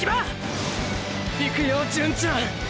いくよ純ちゃん！！